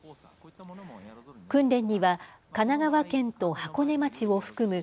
訓練には神奈川県と箱根町を含む